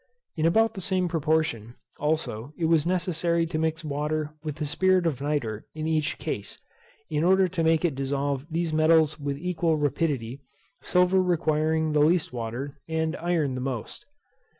In about the same proportion also it was necessary to mix water with the spirit of nitre in each case, in order to make it dissolve these metals with equal rapidity, silver requiring the least water, and iron the most.